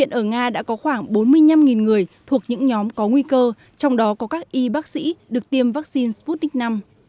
trong đó sẽ có khoảng bốn mươi năm người thuộc những nhóm có nguy cơ trong đó có các y bác sĩ được tiêm vaccine sputnik v